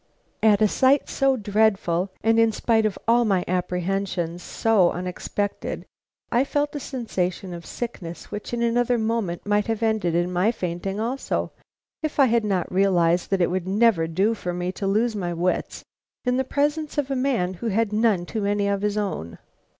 At a sight so dreadful, and, in spite of all my apprehensions, so unexpected, I felt a sensation of sickness which in another moment might have ended in my fainting also, if I had not realized that it would never do for me to lose my wits in the presence of a man who had none too many of his own.